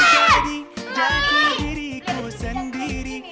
aku jadi jadi diriku sendiri